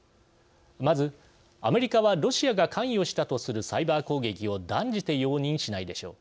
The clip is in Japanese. まずアメリカはロシアが関与したとするサイバー攻撃を断じて容認しないでしょう。